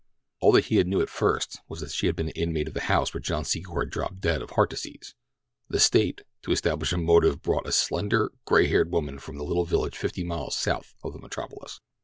All that he knew at first was that she had been an inmate of the house where John Secor had dropped dead of heart disease. The State, to establish a motive brought a slender, gray haired woman from a little village fifty miles south of the metropolis.